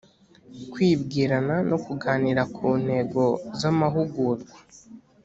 kwibwirana no kuganira ku ntego z amahugurwa